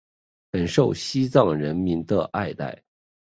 很受西藏人民的爱戴。